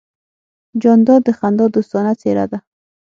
جانداد د خندا دوستانه څېرہ ده.